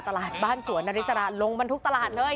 ตลาดบ้านสัวิณฤทธิ์มกรรมลงบรรทุกตลาดเลย